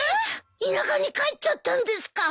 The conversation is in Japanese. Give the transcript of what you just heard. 田舎に帰っちゃったんですか？